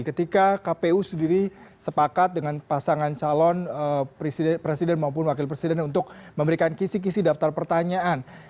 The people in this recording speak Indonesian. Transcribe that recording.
ketika kpu sendiri sepakat dengan pasangan calon presiden maupun wakil presiden untuk memberikan kisi kisi daftar pertanyaan